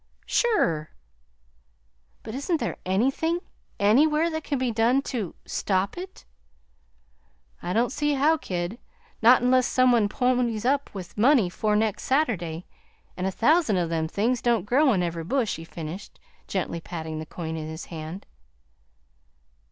"Sure!" "But isn't there anything, anywhere, that can be done to stop it?" "I don't see how, kid, not unless some one ponies up with the money 'fore next Sat'day, an' a thousand o' them things don't grow on ev'ry bush," he finished, gently patting the coin in his hand.